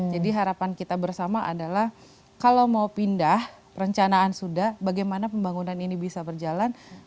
jadi harapan kita bersama adalah kalau mau pindah rencanaan sudah bagaimana pembangunan ini bisa berjalan